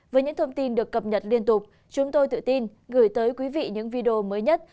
với những thông tin được cập nhật liên tục chúng tôi tự tin gửi tới quý vị những video mới nhất